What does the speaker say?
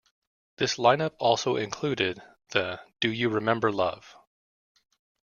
This lineup also included the Do You Remember Love?